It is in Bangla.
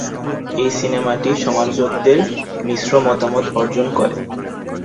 এই সিনেমাটি সমালোচকদের মিশ্র মতামত অর্জন করে।